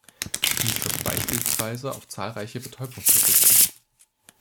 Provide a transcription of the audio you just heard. Dies trifft beispielsweise auf zahlreiche Betäubungsmittel zu.